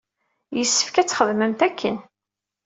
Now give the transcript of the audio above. Yessefk ad txedmemt akken.